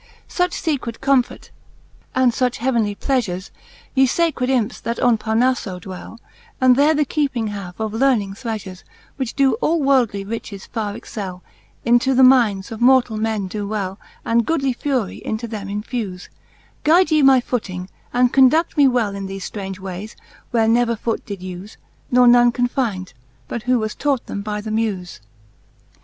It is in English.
D d X II. Such Z04 The fixth Booke of Cant. I. II. Such fecret comfort, and fuch heavenly pleafures, Ye facred imps, that on Parnafjo dwell, And there the keeping have of learning's threafurcj, Which doe all worldly riches farre excell, Into the mindes of mortall men doe well, And goodly fury into them infufej Guyde ye my footing, and conduct me well In thefe ftrange waies, where never foote did uie, Nenone can find, hut who was taught them by the Mule, III.